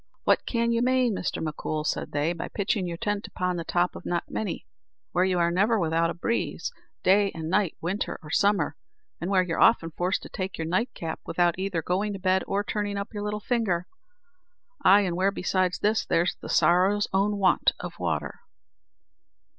"What can you mane, Mr. M'Coul," said they, "by pitching your tent upon the top of Knockmany, where you never are without a breeze, day or night winter or summer, and where you're often forced to take your nightcap without either going to bed or turning up your little finger; ay, an' where, besides this, there's the sorrow's own want of water?"